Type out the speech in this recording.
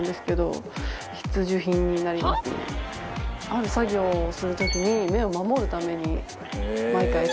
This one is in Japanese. ある作業をする時に目を守るために毎回装着。